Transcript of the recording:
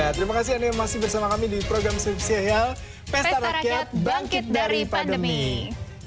terima kasih anda masih bersama kami di program spesial pesta rakyat bangkit dari pandemi